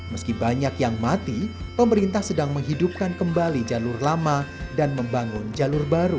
meski banyak yang mati pemerintah sedang menghidupkan kembali jalur lama dan membangun jalur baru